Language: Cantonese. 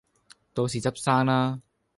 到時執生啦